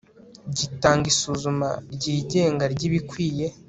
gitanga isuzuma ryigenga ry ibikwiye